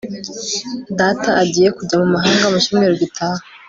data agiye kujya mu mahanga mu cyumweru gitaha